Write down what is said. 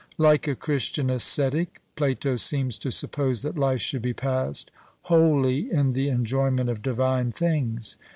Like a Christian ascetic, Plato seems to suppose that life should be passed wholly in the enjoyment of divine things.